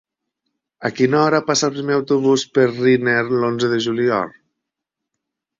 A quina hora passa el primer autobús per Riner l'onze de juliol?